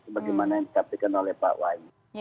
sebagaimana yang disampaikan oleh pak wahyu